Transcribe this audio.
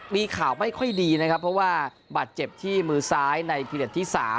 มีข่าวไม่ค่อยดีนะครับเพราะว่าบาดเจ็บที่มือซ้ายในพิเด็ดที่๓